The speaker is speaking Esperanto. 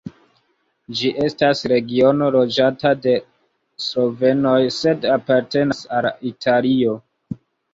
Ĝi estas regiono loĝata de slovenoj sed apartenas al Italio.